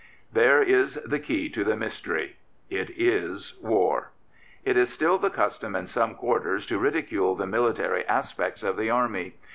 There is the key to the mystery. It is war. It is still the custom in some quarters to ridicule the military aspects of the Army.